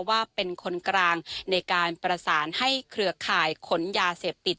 ว่าเป็นคนกลางในการประสานให้เครือข่ายขนยาเสพติด